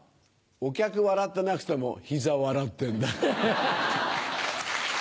お客笑ってなくても膝笑ってんだ。